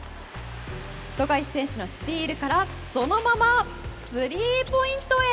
富樫選手のスチールからそのままスリーポイントへ。